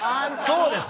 そうです